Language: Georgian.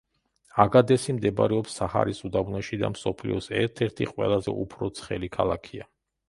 აგადესი მდებარეობს საჰარის უდაბნოში და მსოფლიოს ერთ-ერთი ყველაზე უფრო ცხელი ქალაქია.